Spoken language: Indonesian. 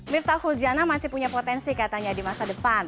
mirta huljana masih punya potensi katanya di masa depan